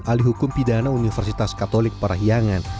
alih hukum pidana universitas katolik parahyangan